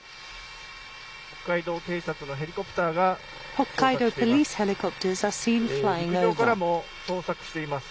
北海道警察のヘリコプターが捜索しています。